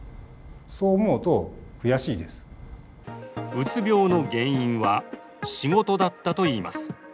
うつ病の原因は仕事だったといいます。